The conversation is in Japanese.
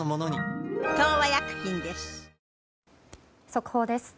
速報です。